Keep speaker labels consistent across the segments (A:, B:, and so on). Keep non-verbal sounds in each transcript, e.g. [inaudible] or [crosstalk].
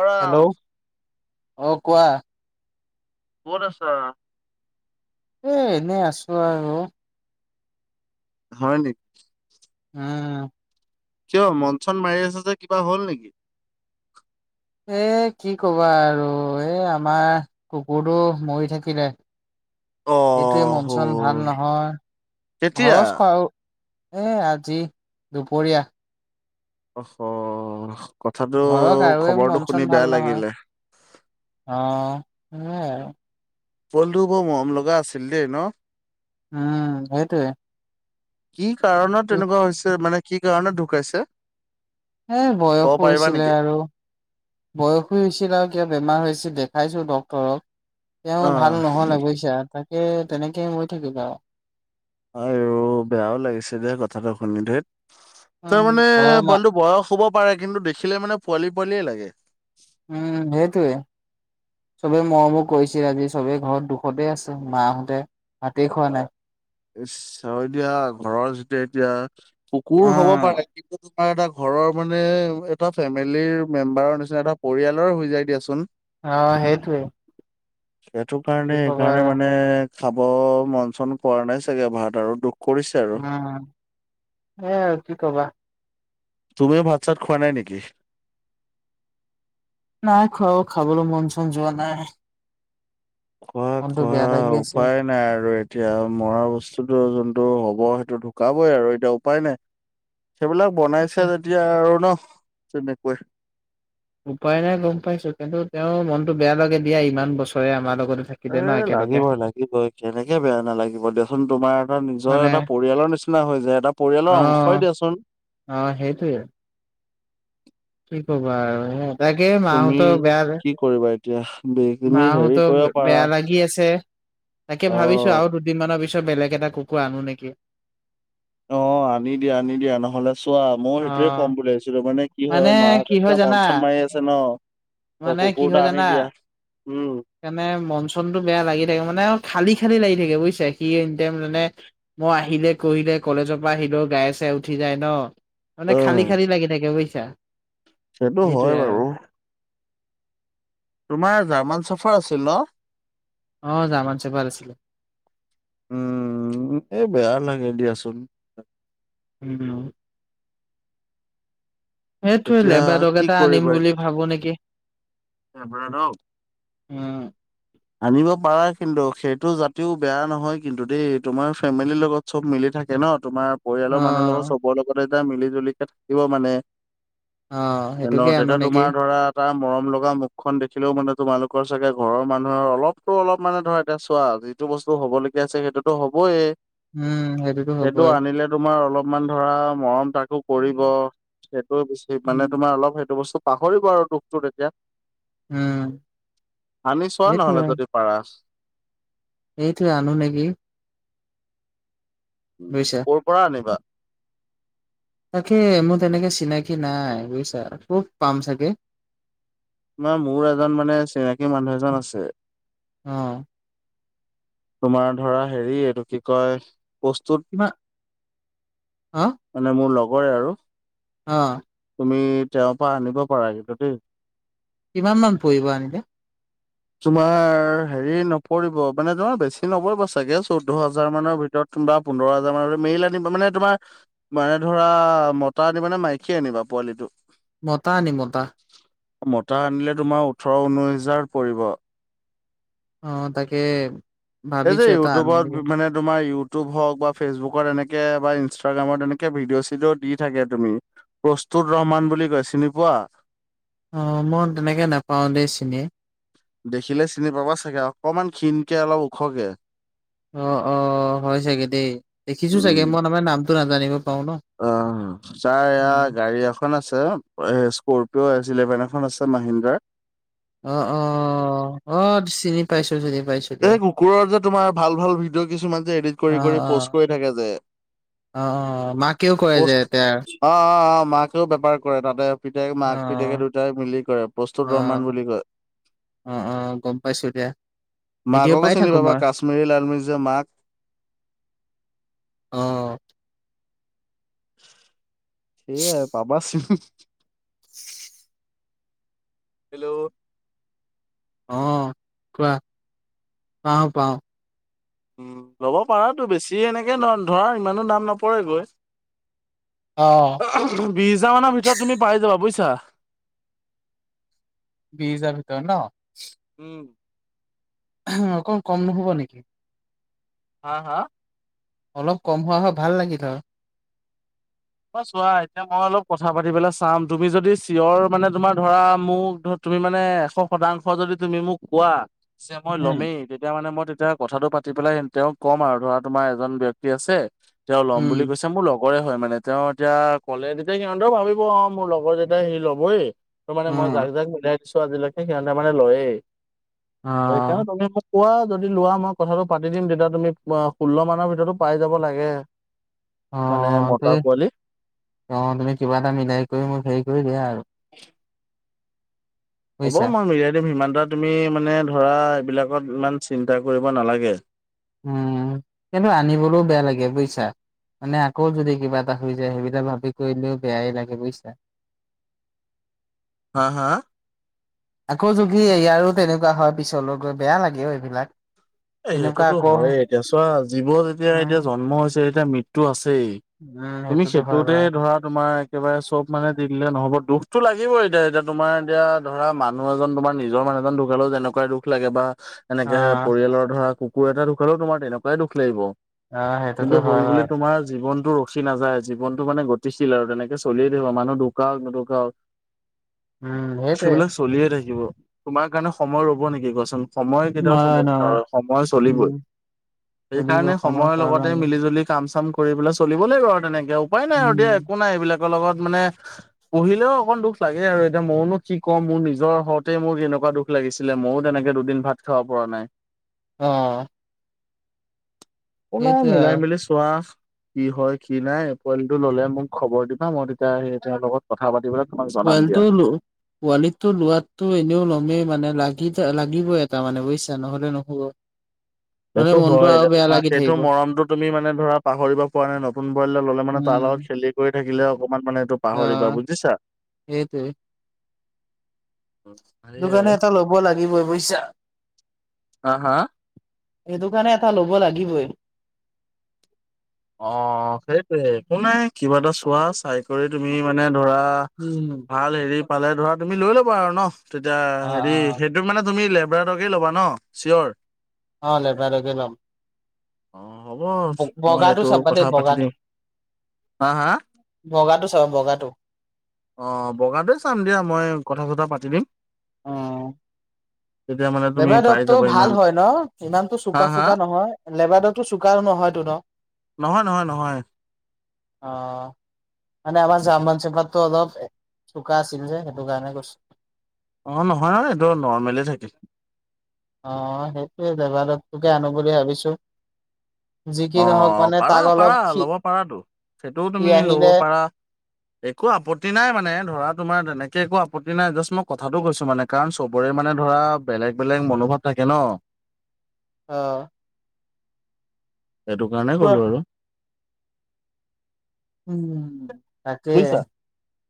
A: খৰাম
B: hello অ কোৱা
A: কত আছা
B: এ এনেই আছো আৰু
A: হয় নেকি?
B: উম
A: কিয় মনচন মাৰি আছে যে কিবা হ'ল নেকি?
B: এ কি কবা আৰু এ আমাৰ কুকুৰটো মৰি থাকিলে। সেইটোৱে
A: অ'
B: মন চন ভাল
A: হ'ল
B: নহয়
A: কেতিয়া?
B: ঘৰচ খোৱা এ আজি দুপৰীয়া
A: অ হ কথাটো
B: ঘৰৰ কাৰোৱে মন
A: খবৰটো
B: চন
A: শুনি
B: ভাল
A: বেয়া
B: নহয়
A: লাগিলে
B: সেইয়াই আৰু
A: পোৱালিটো বৰ মৰম লগা আছিল দেই ন,
B: উম সেইটোৱে।
A: কি কাৰণত তেনেকুৱা হৈছে মানে কি কাৰণত ঢুকাইছে?
B: এ বয়সো
A: ক'ব পাৰিবা
B: হৈছিলে
A: নেকি?
B: আৰু বয়সো হৈছিল আৰু কিবা বেমাৰ হৈছিল। দেখাইছো ড্ক্তৰক তেওঁ ভাল
A: অ'
B: নহলে বুইছা তাক এ তেনেকেই মই থাকি
A: আইও বেয়াও লাগিছে
B: উম
A: তাৰমানে
B: ঘৰৰ মা
A: পোৱালিটো বয়স হব পাৰে কিন্তু দেখিলে মানে পোৱালি পোৱালিয়ে লাগে
B: উম সেইটোয়ে চবে মৰমও কৰিছিল আজি চবেই ঘৰত দুখতে আছে মাহতে ভাতেই খোৱা নাই
A: চ এতিয়া ঘৰৰত যেতিয়া এতিয়া কুকুৰ হব
B: উম,
A: পাৰে কিন্তু এটা ঘৰৰ মানে এটা ফেমিলিৰ মেম্বাৰৰ নিচিনা এটা পৰিয়ালৰ হৈ যায় দিয়াচোন
B: অ হেইটোৱে
A: সেইটো কাৰণে সেইকাৰণে মানে খাব মন চন কৰা নাই চাগে ভাত আৰু দুখ কৰিছে আৰু।
B: উম এ কি কবা
A: তুমিও ভাত চাত খোৱা নাই নেকি‌‌?
B: নাই খোৱাও খাবলৈ মন চন যোৱা নাই
A: খোৱা
B: মনটো
A: খোৱা
B: বেয়া লাগি আছে।
A: উপায় নাই আৰু এতিয়া মৰা বস্তুটো যোনটো হ'ব টো ঢুকাবই আৰু এতিয়া উপায় নাই সেইবিলাক বনাইছে যেতিয়া আৰু ন, তেনেকুৱাই
B: উপায় নাই গম পাইছো কিন্তু তেওঁ মনতটো বেয়া লাগে দিয়া ইমান বছৰে আমাৰ লগত
A: এ লাগিবই লাগিবই কেনেকে বেয়া নালাগিব দিয়াচোন তোমাৰ এটা নিজৰ
B: মানে
A: এটা পৰিয়ালৰ নিচিনা নিচিনা হৈ যায় এটা
B: অ
A: পৰিয়ালৰ অংশই দিয়াচোন
B: অ সেইটোৱে কি কবা আৰু স তাকে
A: তুমি
B: মাহতো বেয়া যে
A: কি কৰিবা এতিয়া বে- তুমি হেৰি
B: মাহোতো
A: কৰিব পাৰা
B: বেয়া লাগি আছে তাকে
A: অ
B: ভাবিছো আৰু দুদিনমানৰ পিছত পিছত বেলেগ এটা কুকুৰ আনো নেকি?
A: অ আনি দিয়া আনি দিয়া নহলে চোৱা মই সেইটোয়ে
B: অ
A: ক'ম বুলি ভাবিছিলো মানে কি হয় মাহ
B: কি
A: দেউতা
B: হয়
A: মন
B: জানা
A: চন মাৰি আছে ন ত
B: মানে কি
A: কুকুৰ এটা
B: হয়
A: আনি
B: জানা
A: দিয়া উম
B: মানে মন চনটো বেয়া লাগি থাকে মানে, খালি খালি লাগি থাকে বুজিছে সি এনিটাইম মানে মই আহিলে কৰিলে কলেজৰ পৰা আহিলো গাইয়ে চায়ে আছে উঠি যায় ন মানে
A: অ
B: খালি খালি লাগি থাকে বুজিছা
A: সেইটো
B: সেইটোয়ে
A: হয়
B: আৰু
A: বাৰু তোমাৰ জাৰ্মান চাফাৰ আছিল ন
B: অ জামান চেপাৰ আছিল
A: উম এই বেয়া লাগে দিয়াচোন
B: উম সেইটো
A: এতিয়া
B: লেবাডগ
A: কি
B: এটা আনিম
A: কৰিবা
B: বুলি ভাবো নেকি
A: এতিয়া
B: উম
A: আনিব পাৰা কিন্তু সেইটো জাতিও বেয়া নহয় কিন্তু দেই তোমাৰ ফেমিলিৰ লগত চব মিলি থাকে ন তোমাৰ
B: অ
A: পৰিয়ালৰ মানুহৰ লগত চবৰে লগত এতিয়া মিলি জুলিকে থাকিব মানে
B: অ
A: ন
B: সেইটোকে আনো
A: তেতিয়া
B: নেকি
A: তোমাৰ ধৰা এটা মৰম লগা মুখখন দেখিলেও মানে তোমালোকৰ চাগে ঘৰৰ মানুহ ধ অলপতো অলপ মানে ধৰা এতিয়া চোৱা যিটো বস্তু হ'বলগীয়া আছে সেইটোতো হ'বয়ে
B: উম সেইটোতো
A: সেইটো
B: হ'বই
A: আনিলে তোমাৰ অলপ মান ধৰা মৰম তাকো কৰিব সেইটো বেছি মানে
B: উম
A: তোমাৰ অলপ সেইটো বস্তু পাহৰিব আৰু দুখটো তেতিয়া
B: উম
A: আনি চোৱা নহলে যদি পাৰা বচ
B: এইটোৱে আনো নেকি বুজিছা
A: উ ক'ৰ পৰা আনিবা
B: তাকে মোৰ তেনেকে চিনাকি নাই বুজিছা কত পাম চাগে
A: তোমাৰ মোৰ এজন মানে চিনাকী মানুহ এজন আছে
B: অ
A: তোমাৰ ধৰা হেৰি এইটো কি কয় প্ৰস্তুত
B: কিমান অ
A: মানে মোৰ লগৰে আৰু
B: অ
A: তুমি তেওঁৰ পৰা আনিব পাৰা কিন্তু দেই।
B: কিমান মান পৰিব আনিলে।
A: তোমাৰ হেৰি নপৰিব মানে তোমাৰ বেছি নপৰিবা চাগে চৌধ্য হাজাৰ মানৰ ভিতৰত। তোমা পোন্ধৰ হাজাৰ মান মেইৰিলানিবা মানে তোমাৰ মানে ধৰা মতা আনিবানে মাইকী আনিবা। পোৱালিটো
B: মতা আনিম মতা।
A: মতা আনিলে তোমাৰ ওঠৰ ঊনৈশ হেজাৰ পৰিব।
B: অ তাকে
A: এই যে
B: ভাবিছো এটা আনো নেকি
A: ইউটিউবত মানে তোমাৰ ইউ তুব হওঁক বা ফেচবুকৰ এনেকে বা ইনষ্টাগাম এনেকে ভিডিঅ চিডিঅ দি থাকে তুমি পু তুৰ ৰহমান বুলি কয় চিনি পোৱা?
B: অ মই তেনেকে নাপাও দেই চিনি।
A: দেখিলে চিনি পাবা চাগে অকনমান ক্ষিণকে অলপ ওখকে।
B: অ অ হয় চাগে দেই দেখিছো চাগে
A: উম।
B: মই নামটো নাজানিব পাৰো ন
A: অ ছাৰ
B: উম।
A: ইয়াৰ গাড়ী এখন আছে। আ এ স্কপিঅ এচ ইলেভেন এখন আছে মাহিন্দ্ৰাৰ।
B: অ অ অ চিনি পাইছোঁ।
A: এই কুকুৰৰ যে তোমাৰ ভাল ভাল ভিডিঅ' কিছুমান যে এডিট
B: অ অ
A: কৰি কৰি প'ষ্ট কৰি থাকে যে।
B: অ অ মাকেও কয় যে
A: প'ষ্ট
B: এতিয়া
A: অ' অ' অ' মাকেও বেপাৰ কৰে তাতে পিতেকে মাক পিতেকে দুইটাই মিলি কৰে প্ৰস্তুত
B: অ
A: ৰহমান বুলি কয়।
B: অ অ গম পাইছো দিয়া। ভিডিঅ'
A: মাককো
B: পাই
A: চিনি
B: থাকো
A: পাবা
B: মই
A: কাশ্মীৰী লালমিৰ্জা মাক।
B: আহ
A: সেয়াই পাবা চোন। হেল্ল'
B: অহ কোৱা পাও পাও।
A: উ ল'ব পাৰাতো বেছি এনেকে ধৰা ইমানো দাম নপৰেগৈ।
B: অ'।
A: বিশ হাজাৰ মানৰ ভিতৰত তুমি পাই যাবা বুইছা।
B: বিশ হাজাৰ ভিতৰত ন।
A: উম
B: অকণ কম নহ'ব নেকি?
A: হা হা
B: অলপ কম হোৱা হয় ভাল লাগিল হয়।
A: অ চোৱা এতিয়া মই অলপ কথা পাতি পেলাই চাম তুমি যদি চিঞৰ মানে তোমাৰ ধৰা মোক তুমি মানে এশ শতাংশ যদি তুমি মোক কোৱা যে মই
B: হুম।
A: ল'মেই তেতিয়া মানে মই এতিয়া কথাটো পাতি পেলাই তেওঁক ক'ম আৰু ধৰা তোমাৰ এজন ব্যক্তি আছে তেওঁ ল'ম
B: উম,
A: বুলি কৈছে মোৰ লগ গৰে হয় মানে তেওঁ এতিয়া কলে তেতিয়া সিহঁতেৰ ভাবিব অ মোৰ লগৰ যেতিয়া হেৰি লবই। ত মানে মই
B: অ',
A: যাক যাক মিলাই দিছো আজিলৈকে সিহঁতে মানে লয়েই ত সেইকাৰণে
B: অ',
A: তমি মোক কোৱা যদি লোৱা মই কথাটো পাতি দিম তেতিয়া তুমি ষোল্ল মানৰ ভিতৰতো পাই যাব লাগে। মানে
B: অ
A: পোৱালি
B: তুমি কিবা এটা মিলাই কৰি মোক হেৰি কৰি দিয়া আৰু।
A: হ'ব
B: বুজিছা।
A: মই মিলাই দিম সিমান দাদা তুমি মানে ধৰা এইবিলাকত ইমান চিন্তা কৰিব নালাগে।
B: উম কিন্তু আনিবলৈও বেয়া লাগে বুজিছা। মানে আকৌ যদি কিবা এটা হৈ যায় সেইবিলাক ভাবি কৰিলেও বেয়াই লাগে বুজিছা।
A: হা হা
B: আকৌ যদি এইয়াৰো তেনেকোৱা হয় পিছলৈ গৈ বেয়া লাগে অও এইবিলাক।
A: এ
B: তেনেকুৱা
A: সেইটোতো
B: আকৌ
A: হয়ে এতিয়া চোৱা জীৱ যেতিয়া এতিয়া
B: উম,
A: জন্ম হৈছে এতিয়া মৃত্যু আছে দেই
B: উম,
A: তুমি
B: সেইটোতো হয়
A: সেইটোতে
B: বাৰু
A: ধৰা তোমাৰ একেবাৰে চব মানে দি দিলে নহ'ব দুখতো লাগিব এতিয়া এতিয়া তোমাৰ এতিয়া ধৰা মানুহ এজন তোমাৰ নিজৰ মানুহ মানুহ এজন ঢুকালে যেনেুৱা দুখ লাগে বা এনেকে
B: অ',
A: পৰিয়ালৰ ধৰা কুকুৰ এটা ঢ়োকালেও তোমাৰ তেনেকুৱাই দুখ লাগিব।
B: অ', সেইটোতো
A: কিন্তু হ'ল
B: হয়
A: বুলি
B: বাৰু।
A: তোমাৰ জীৱন টো ৰখি নাযায়, জীৱনতো মানে গতিহিল আৰু তেনেকে চলিয়ে থাকিব মানুহ ঢুকাওক নুঢুকাওক।
B: উম, সেইটোৱে।
A: সেইবিলাক চলিয়ে থাকিব। তোমাৰ কাৰণে সময় ৰ'ব নেকি কোৱাচোন? সময় কেতিয়াও
B: নহয়,
A: থমকি
B: নহয়,
A: নৰয়, সময়
B: উম,
A: চলিবই
B: চলিব
A: সেইকাৰণে
B: ক্ষমা
A: সময়ৰ
B: কৰা,
A: লগতে মিলি জুলি কাম চাম কৰি পেলাই চলিব লাগিব আৰু তেনেকে উপায় নাই আৰু
B: উম।
A: দিয়া একো নাই এইবিলাক। লগত মানে পঢ়িলেও অকণ দুখ লাগে আৰু এতিয়া মইনো কি কম মোৰ নিজৰ হওতে মোৰ এনে তেনেকা দুখ লাগিছিলে মইয়ো তেনেকে দুদিন ভাত খাব পৰা নাই।
B: অ।
A: একো নাই
B: সেইটোৱে
A: মিলাই
B: আৰু।
A: মিলি চোৱা। কি হয় কি নাই পোৱালিটো ল'লে মোক খবৰ দিবা মই তেতিয়া সে তেওঁৰ লগত কথা পাতিবলে
B: পোৱালিটো ল পোৱালিটো লোৱাতটো এনেও ল'মেই মানে লা লাগিবই এটা মানে বুইছা, নহ'লে নহব। নহ'লে
A: সেইটো
B: মনটো
A: হয়
B: আৰু বেয়া
A: তোমাৰ
B: লাগি
A: সেইটো
B: থাকিব,
A: মৰমটো তুমি মানে ধৰা পাহৰিব পৰা নাই নতুন ব্ৰইলাৰ ল'লে মানে তা অলপ অ
B: উম।
A: খেলি কৰি থাকিলে অকমান মানে এইটো পাহৰিবা
B: অ',
A: বুজিছা?
B: সেইটোৱে। এইটো
A: সেয়াই।
B: কাৰনে এটা লব লাগিবই বুইছা।
A: হা হা
B: সেইটো কাৰণে এটা লব লাগিবই।
A: অ সেইটোৱে, একো নাই কিবা এটা চোৱা চাই কৰি তুমি মানে ধৰা
B: উম।
A: ভাল হেৰি পালে ধৰা তুমি লৈ ল'বা আৰু ন? তেতিয়া
B: অ',
A: হেৰি
B: অ',
A: সেইটো মানে তুমি লেবৰাটকে ল'বা ন চিয়ৰ?
B: অ লেব্ৰা টোকো লম।
A: অ হ'ব মই
B: বগাটো
A: এইটো
B: চাবা
A: কথা
B: দেই
A: পাতি
B: বগাটো
A: দিম হা হা
B: বগাটো চাবা ব
A: অ বগাতে চাম দিয়া মই কথা চথা পাতি দিম।
B: অহ।
A: তেতিয়া মানে তুমি পাই
B: লেবাৰডগটো
A: যাবা ইমান
B: ভাল হয় ন? ইমানতো
A: হা
B: চোকা
A: হা
B: চোকা নহয় লেবাৰডগটো চোকা নহয়তো ন?
A: নহয় নহয় নহয়।
B: আহ। মানে আমাৰ জাম চেপাততো অলপ চোকা আছিল যে সেইটো কাৰণে কৈছো।
A: অ নহয় নহয় এইটো নৰ্মেলি থাকে।
B: অ সেইটোয়ে লেবাৰতডকতোকে আনো বুলি ভাবিছো। যি কি
A: অ
B: নহওক মানে
A: পাৰা
B: তাক অলপ
A: পাৰা
B: সি
A: লব পাৰাটো সেইটোও
B: সি
A: তুমি লব
B: আহিলে
A: পাৰা। একো আপত্তি নাই মানে ধৰা তোমাৰ তেনেকে একো আপতি নাই জাষ্ট মই কথাটো কৈছো মানে কাৰণ চবৰে মানে ধৰা বেলেগ বেলেগ মনোভাৱ থাকে কে ন?
B: আহ।
A: সেইটো কাৰণে কলো আৰু।
B: উ তাকে
A: বুজিছা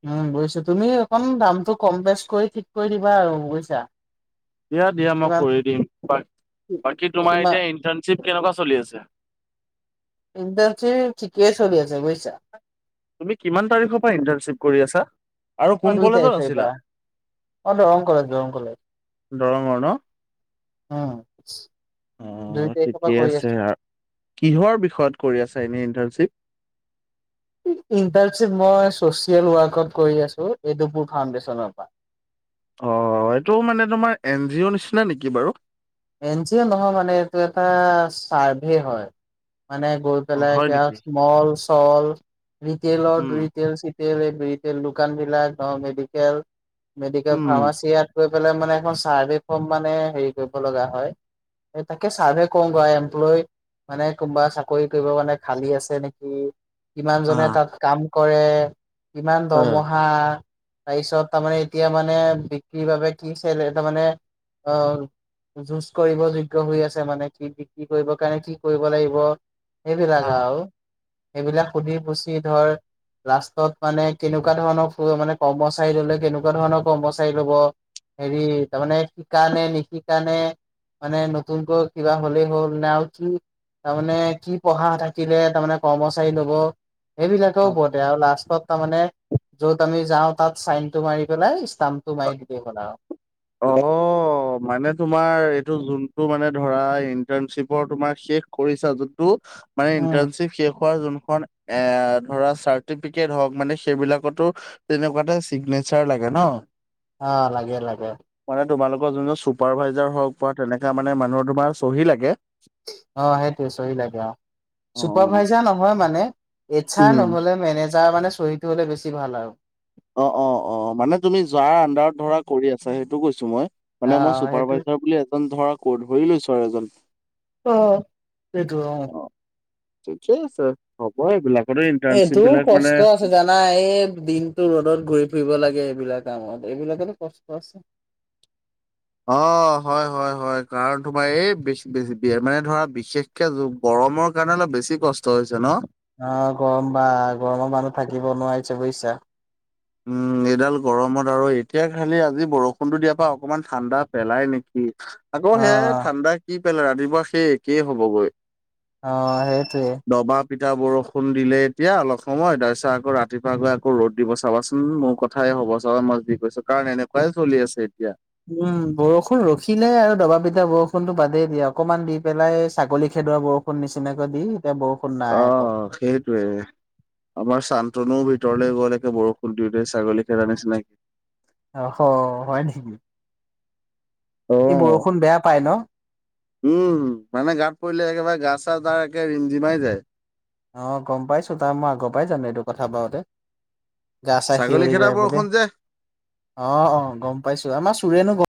B: উম বুজিছো। তুমি অকণ দামটো কম বেচ কৰি ঠিক কৰি দিবা আৰু বুজিছা?
A: দিয়া দিয়া মই
B: কিমান
A: কৰি দিম। বাকী তোমাৰ
B: সিমান
A: এতিয়া ইন্টাৰণশ্বিপ কেনেকুৱা চলি আছে?
B: ইন্টাৰণশ্বিপ ঠিকেই চলি আছে বুইছা।
A: তুমি কিমান তাৰিখৰ পৰা ইণ্টাৰশিপ কৰি আছা? আৰু কোন কলেজত আছিলা?
B: মই দৰং কলেজ দৰং কলেজ
A: দৰঙৰ ন
B: উম।
A: অ
B: দুই তাৰিখৰ পৰা
A: ঠিকে
B: কৰি
A: আছে
B: আছো।
A: কিহৰ বিষয়ত কৰি আছা? এনেই ধৰা তাৰ পিছত
B: ইণ্টাৰ্ণশ্বিপ মই চচিয়েল ৱৰ্কত কৰি আছো এডুপুৰ ফাউডেশ্যনৰ পৰা।
A: অ এইটো মানে তোমাৰ এন জি অ' নিচিনা নেকি বাৰু?
B: এন জি অ' নহয় মানে এইটো এটা চাৰ্ভে হয় মানে গৈ
A: অ
B: পেলাই
A: হয়
B: এতিয়া
A: নেকি?
B: মল চল ৰিটলৰ
A: উম।
B: দুই ৰিটেইলচ তেল এই বি তেল দোকান বিলাক অ মেডিকেল মেডিকেল
A: উম
B: ফাৰ্মাচী ইয়াতকৈ [unintelligible] গ'লে মানে এখন চাৰ্ভে ফম মানে হেৰি কৰিব লগা হয় তাকে চাৰ্ভে কৰোগৈ এমপ্লয় মানে কোনোবা চাকৰি কৰিব মানে খালী আছে নেকি কিমান
A: অ।
B: জনে তাত কাম কৰে কিমান
A: অ।
B: দৰমহা তাৰপিছত তাৰমানে এতিয়া মানে বিক্ৰীৰ বাবে কিছিল তাৰমানে অ [unintelligible] যুজ কৰিব যোগ্য হৈ আছে মানে কি বিক্ৰী কৰিব কাৰণে কি কৰিব লাগিব সেইবিলাক আৰু সেইবিলাক সুধি পুচি ধৰ লাষ্টত মানে কেনেকুৱা ধৰণৰ মানে কৰ্মচাৰী ললে কেনেকুৱা ধৰণৰ কৰ্মচাৰী লব হেৰি তাৰমানে শিকা নে নিশিকা নে [unintelligible] মানে নতুনকৈ কিবা হ'লেই হ'ল নে আৰু কি তাৰমানে কি পঢ়া থাকিলে তাৰমানে কৰ্মচাৰী লব সেইবিলাকেও বতে আৰু লাষ্টত তাৰমানে যত আমি যাওঁ তাত চাইন টো মাৰি পেলাই তাম তো মাৰীদিলেই হ'ল আও [unintelligible]
A: অ অ মানে তোমাৰ এইটো যোনটো মানে ধৰা ইণ্টাৰ্ণশ্বিপৰ তোমাৰ শেষ কৰিছা যোনটো [unintelligible] মানে ইন্টানৰ্শিপ যোনখন এ ধৰা চাৰটিফিকট হক মানে সেইবিলাকতো তেনেকুৱাতে চিগনে [unintelligible] বিচাৰ লাগে ন
B: অ লাগে লাগে
A: মানে তোমালোকৰ যোন চুপাৰ ভাইজাৰ হওক বা তেনেকা মানে মানুহৰ তোমাৰ চহী লাগে অ অ।
B: চুপাৰ ভাইজাৰ নহয় মানে এইচ আৰ
A: উম।
B: নহলে মেনেজাৰ মানে চহিটো হলে বেছি ভাল আৰু [unintelligible]
A: অ অ অ মানে তুমি যাৰ আণ্ডাৰত ধৰা কৰি আছা সেইটো কৈছো মই [unintelligible] মানে
B: আহ
A: মই চুপাৰ
B: সেইটো
A: ভাইজাৰ বুলি এজন ধৰা কোড ধৰি লৈছো আৰু এজন
B: অ সেটো অ
A: ঠিকেই আছে হ'ব এইবিলাক
B: এইটোও কষ্ট আছে জানা এই দিনতটো ৰ'দত ঘূৰি ফুৰিব লাগে এইবিলাক দামত এইবিলাকো কষ্ট আছে
A: অ হয় হয় হয় কাৰণ তোমাৰ এই বেছি বেছি মানে ধৰা বিশেষকে জ গৰমৰ কাৰণে অলপ বেছি কষ্ট ন?
B: অ গৰম বা গৰমৰ মানুহ থাকিব নোৱাৰিছে বুজিছা
A: উম এইডাল গৰমত আৰু এতিয়া খালি আজি বৰষুণতো দিয়াৰ পৰা অকমান ঠাণ্ডা পেলাই নেকি
B: অ
A: আকৌ সেয়াই ঠাণ্ডা কি পেলাই ৰাতিপুৱা সেই একে হ'বগৈ
B: অ সেইটোৱে
A: পিঠা বৰষুণ দিলে এতিয়া অলপ সময় তাৰপিছত আকৌ ৰাতিপুৱা গৈ আকৌ ৰ'দ দিব চাবা চ উম মোৰ কথাই হ'ব চব মই যি কৈছো কাৰণ এনেকুৱাই চলি আছে এতিয়া
B: উম বৰষুণ ৰখিলে আৰু দবা পিতা বৰষুণতো বাদেই দিয়া অকনমান দি পেলাই ছাগলী খিন সেইদোৱা বৰষুণ নিচিনাকৈ দি এতিয়া বৰষুণ
A: অ
B: নাই আকৌ
A: সেইটোয়ে আমাৰ চান্তনু ভ ভিতৰলৈ গ'ল একে বৰষুণ দিওঁ দে ছাগলীখদা নিচিনাকে
B: অ হয় নেকি ই
A: অ'
B: বৰষুণ বেয়া পায় ন
A: উম মানে গাত পৰিলে একেবাৰে গা চা তাৰ একে ৰিম জিমাই যায়
B: অ গম পাইছো তাৰ মই আগৰ পৰাই যানো এইটো কথা পাওঁতে গা চাহ
A: ছাগলী
B: শিৱৰি
A: খেদা
B: যায় বোলে
A: বৰষুণ যে
B: অ অ গম পাইছো আমাৰ চোৰেনো গ